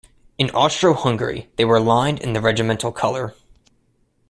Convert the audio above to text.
In Austro-Hungary they were lined in the regimental colour.